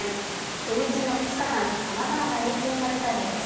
土日の２日間、さまざまな影響が出たようです。